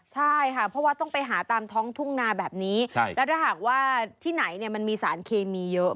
ใช่ค่ะเพราะว่าต้องไปหาตามท้องทุ่งนาแบบนี้แล้วถ้าหากว่าที่ไหนเนี่ยมันมีสารเคมีเยอะ